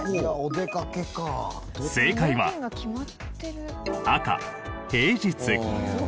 正解は赤平日。